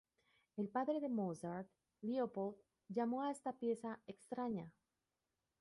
El padre de Mozart, Leopold, llamó a esta pieza "extraña".